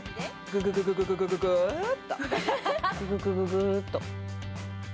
グググググーッと。